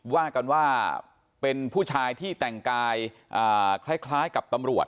ว่ากันว่าเป็นผู้ชายที่แต่งกายคล้ายกับตำรวจ